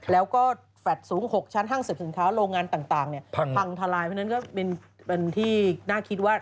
แล้วก็แฟลต์สูง๖ชั้นห้างสรรพสินค้าโรงงานต่างพังทลายเพราะฉะนั้นก็เป็นที่น่าคิดว่า